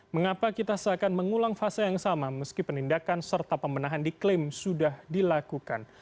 mengapa kita seakan mengulang fase yang sama meski penindakan serta pembenahan diklaim sudah dilakukan